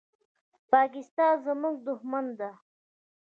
پاکستان زموږ دښمن ده.